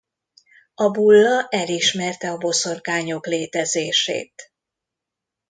A bulla elismerte a boszorkányok létezését.